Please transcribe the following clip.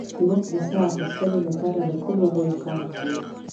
موږ د ساه اخیستلو لپاره له کومو غړو کار اخلو